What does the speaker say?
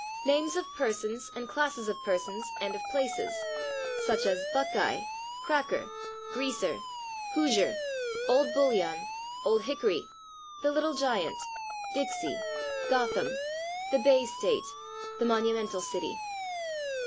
Names of persons and classes of persons, and of places, such as /Buckeye/, /Cracker/, /Greaser/, /Hoosier/, /Old Bullion/, /Old Hickory/, the /Little Giant/, /Dixie/, /Gotham/, the /Bay State/, the /Monumental City